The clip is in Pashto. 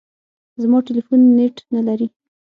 زما ټلیفون نېټ نه لري .